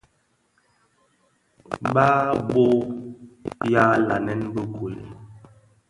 Bàb bôg yàa lanën bi ngüel.